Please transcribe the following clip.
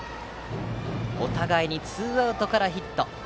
お互いにツーアウトからヒット。